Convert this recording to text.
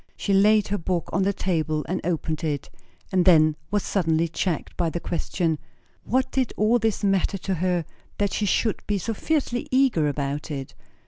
She laid her book on the table and opened it, and then was suddenly checked by the question what did all this matter to her, that she should be so fiercely eager about it?